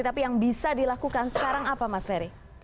tapi yang bisa dilakukan sekarang apa mas ferry